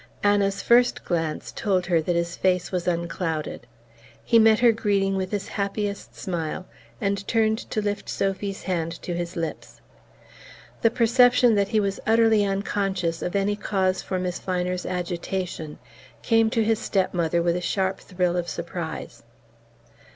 Anna's first glance told her that his face was unclouded. He met her greeting with his happiest smile and turned to lift Sophy's hand to his lips. The perception that he was utterly unconscious of any cause for Miss Viner's agitation came to his step mother with a sharp thrill of surprise.